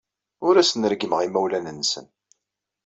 Ur asen-reggmeɣ imawlan-nsen.